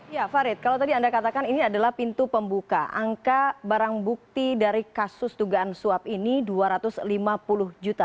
ya farid kalau tadi anda katakan ini adalah pintu pembuka angka barang bukti dari kasus dugaan suap ini dua ratus lima puluh juta